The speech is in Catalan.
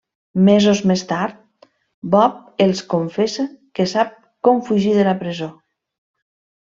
Mesos més tard, Bob els confessa que sap com fugir de la presó.